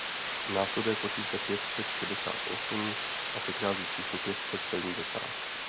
Následuje po čísle pět set šedesát osm a předchází číslu pět set sedmdesát.